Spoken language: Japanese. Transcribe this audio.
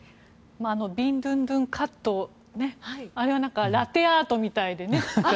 ビンドゥンドゥンカットあれはラテアートみたいでね。